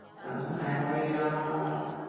梗係可以啦